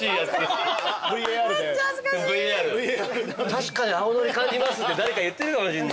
確かに青のり感じますって誰か言ってるかもしれない。